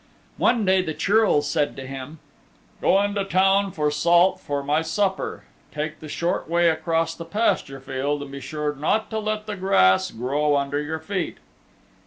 One day the Churl said to him, "Go into the town for salt for my supper, take the short way across the pasture field, and be sure not to let the grass grow under your feet."